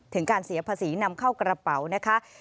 ถึงการเสียภาษีนำเข้ากระเป๋านะคะ